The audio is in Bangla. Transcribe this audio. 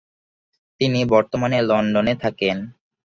তিনি বর্তমানে লন্ডনে থাকেন।